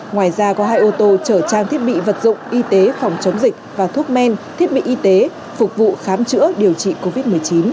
ngoài ra có hai ô tô chở trang thiết bị vật dụng y tế phòng chống dịch và thuốc men thiết bị y tế phục vụ khám chữa điều trị covid một mươi chín